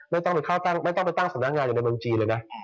ไม่ต้องไปเต้นสนัขงานอย่างในเมืองจีนเลยนะ